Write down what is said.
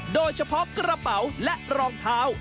โดยเฉพาะกระเป๋าและรองเท้า